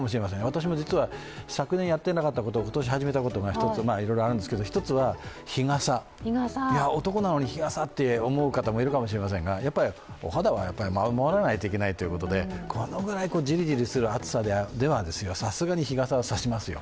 私も実は昨年やっていなかったことで今年始めたことがいろいろあるんですが、一つは日傘、男なのに日傘って思う方はいるかもしれませんがお肌は守らないといけないということで、このぐらいジリジリする暑さではさすがに日傘は差しますよ。